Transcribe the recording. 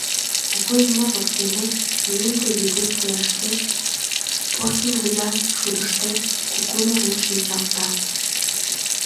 Кугу эҥер воктенет, Немде вӱдет серыштет, Порсын вуян шудыштет, Куку мурен шинчалта.